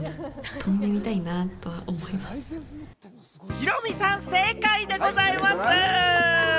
ヒロミさん、正解でございます！